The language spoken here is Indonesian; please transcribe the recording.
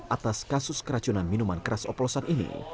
atas kasus keracunan minuman keras oplosan ini